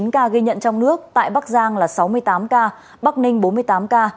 một trăm hai mươi chín ca ghi nhận trong nước tại bắc giang là sáu mươi tám ca bắc ninh bốn mươi tám ca